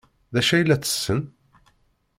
D acu ay la ttessen?